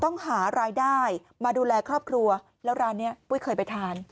ต้องหารายได้มาดูแลครอบครัวแล้วร้านนี้ปุ้ยเคยไปทาน